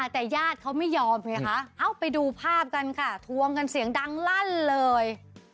แต่ญาติเขาไม่ยอมไงคะเอ้าไปดูภาพกันค่ะทวงกันเสียงดังลั่นเลย